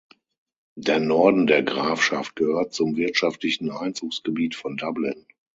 Der Norden der Grafschaft gehört zum wirtschaftlichen Einzugsgebiet von Dublin.